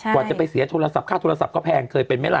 กว่าจะไปเสียโทรศัพท์ค่าโทรศัพท์ก็แพงเคยเป็นไหมล่ะ